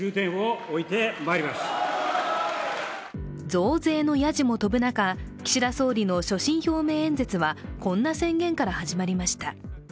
増税のやじも飛ぶ中、岸田総理の所信表明演説はこんな宣言から始まりました。